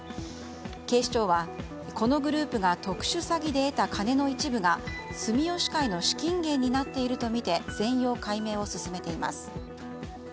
警視庁は、このグループが特殊詐欺で得た金の一部が住吉会の資金源になっているとみて全容解明を進めています。